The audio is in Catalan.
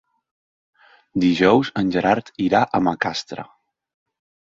Dijous en Gerard irà a Macastre.